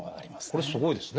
これすごいですね。